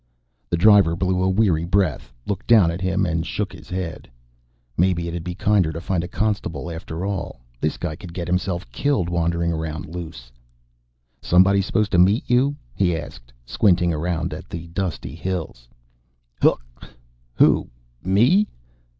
The driver blew a weary breath, looked down at him, and shook his head. Maybe it'd be kinder to find a constable after all. This guy could get himself killed, wandering around loose. "Somebody supposed to meet you?" he asked, squinting around at the dusty hills. "Huk! who, me?"